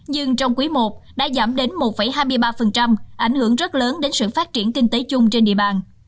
nhưng trong quý i đã giảm đến một hai mươi ba ảnh hưởng rất lớn đến sự phát triển kinh tế chung trên địa bàn